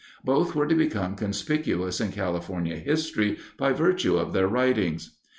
Both were to become conspicuous in California history by virtue of their writings.